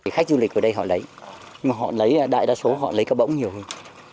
khách du lịch ở đây họ lấy nhưng đại đa số họ lấy cá bỗng nhiều hơn